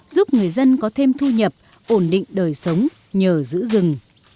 giúp người dân có thêm thu nhập ổn định đời sống nhờ giữ rừng